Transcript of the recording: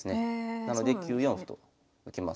なので９四歩と受けます。